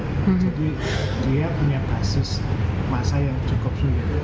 jadi dia punya basis masa yang cukup sulit